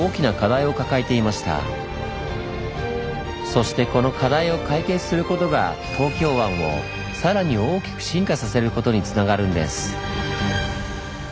そしてこの課題を解決することが東京湾をさらに大きく進化させることにつながるんです。